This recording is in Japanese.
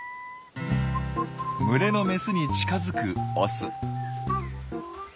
群れのメスに近づくオス。